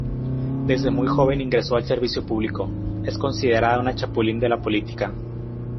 Desde muy joven ingresó al servicio público, es considerada una chapulín de la política.